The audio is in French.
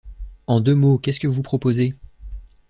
En deux mots, qu'est-ce que vous proposez?